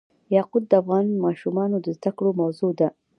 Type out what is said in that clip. یاقوت د افغان ماشومانو د زده کړې موضوع ده.